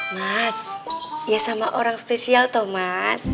mas ya sama orang spesial toh mas